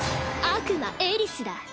悪魔エリスだ。